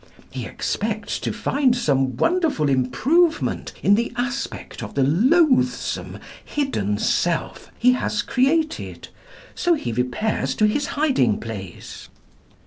He expects to find some wonderful improvement in the aspect of the loathsome hidden self he has created, so he repairs to its hiding place.